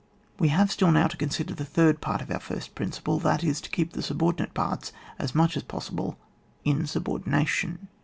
We have still now to consider the third part of our first principle ; that is, to keep the subordinate parts as much as possible in subordination.